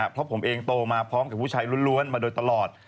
เพราะผมเองโตมาพร้อมกับผู้ชายล้วนมาโดยตลอด